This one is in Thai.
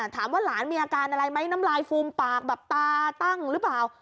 ถามว่าหลานมีอาการอะไรไหมน้ำลายฟูมปากแบบตาตั้งหรือเปล่า